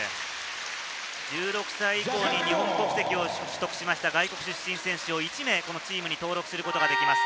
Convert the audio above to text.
１６歳以降に日本国籍を取得しました外国籍選手を１名チームに登録することができます。